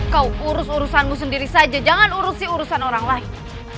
kau urus urusanmu sendiri saja jangan urusi urusan orang lain